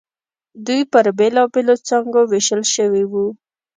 دوی پر بېلابېلو څانګو وېشل شوي وو.